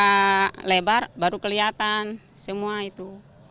lepas kita lebar baru kelihatan semua itu